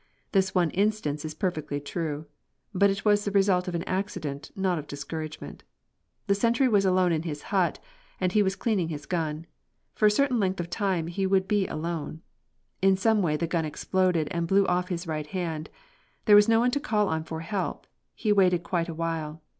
This one instance is perfectly true. But it was the result of an accident, not of discouragement. The sentry was alone in his hut, and he was cleaning his gun. For a certain length of time he would be alone. In some way the gun exploded and blew off his right hand. There was no one to call on for help. He waited quite a while.